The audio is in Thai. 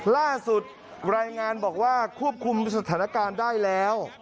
ล่าสุดรายงานบอกว่าควบคุมสถานการณ์ได้แล้ว